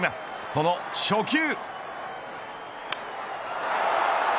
その初球。